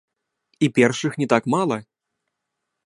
І першых не так мала.